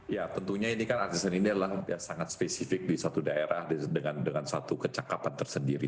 ya tentunya ini kan asisten ini adalah sangat spesifik di satu daerah dengan satu kecakapan tersendiri